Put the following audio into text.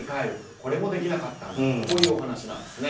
これもできなかったというお話です。